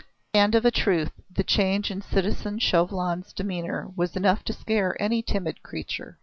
And of a truth the change in citizen Chauvelin's demeanour was enough to scare any timid creature.